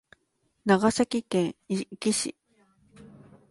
長崎県壱岐市